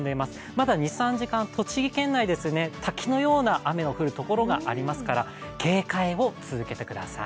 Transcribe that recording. まだ２３時間、栃木県内、滝のような雨が降るところがありますから、警戒を続けてください。